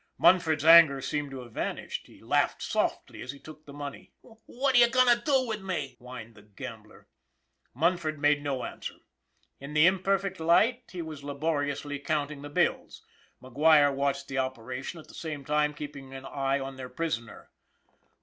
Mun ford's anger seemed to have vanished. He laughed softly as he took the money. " What are you going to do with me ?" whined the gambler. Munford made no answer. In the imperfect light, he was laboriously counting the bills. McGuire watched the operation, at the same time keeping an eye on their prisoner.